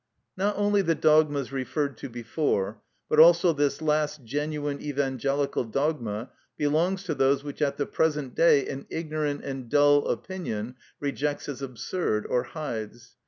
Not only the dogmas referred to before, but also this last genuine evangelical dogma belongs to those which at the present day an ignorant and dull opinion rejects as absurd or hides.